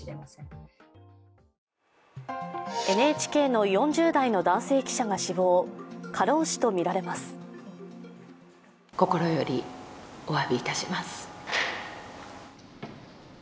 ＮＨＫの４０代の男性記者が死亡過労死とみられます。